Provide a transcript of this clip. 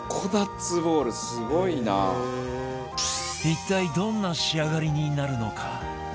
一体どんな仕上がりになるのか？